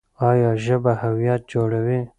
ایا ژبه هویت جوړوي؟